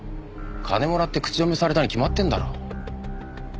金もらって口止めされたに決まってんだろ。